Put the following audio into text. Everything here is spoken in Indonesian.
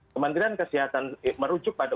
kementerian kesehatan merujuk pada